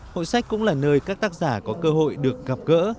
hội sách cũng là nơi các tác giả có cơ hội được gặp gỡ